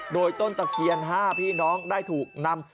โดยต้นตะเคียน๕พี่น้องได้ถูกนำ